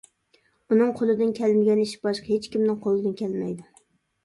ئۇنىڭ قولىدىن كەلمىگەن ئىش باشقا ھېچكىمنىڭ قولىدىن كەلمەيدۇ.